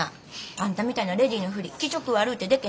あんたみたいなレディーのふり気色悪うてでけへんし。